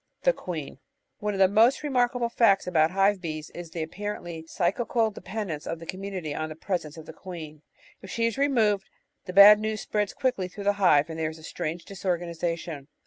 The Queen One of the most remarkable facts about hive bees is the apparently psychical dependence of the commiuiity on the pres ence of the queen. If she is removed, the bad news spreads quickly through the hive and there is a strange disorganisation.